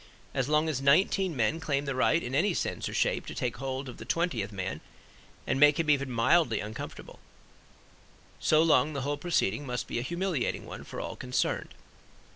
As long as nineteen men claim the right in any sense or shape to take hold of the twentieth man and make him even mildly uncomfortable, so long the whole proceeding must be a humiliating one for all concerned.